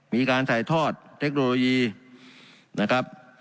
มีการถ่ายทอดเทคโนโลยีนะครับ